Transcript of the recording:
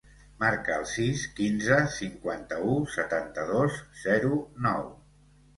Marca el sis, quinze, cinquanta-u, setanta-dos, zero, nou.